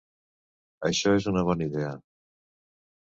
Això és una bona idea!